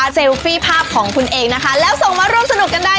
สั่นนอกกับน้ำต้มยำนะ